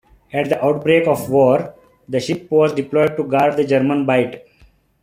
At the outbreak of war, the ship was deployed to guard the German Bight.